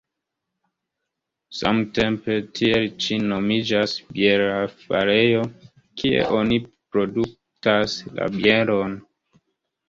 Samtempe tiel ĉi nomiĝas bierfarejo, kie oni produktas la bieron.